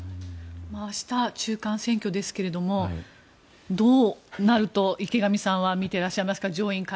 明日、中間選挙ですがどうなると池上さんはみてらっしゃいますか？